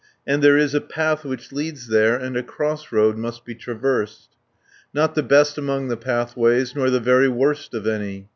And there is a path which leads there, And a cross road must be traversed, Not the best among the pathways, Nor the very worst of any.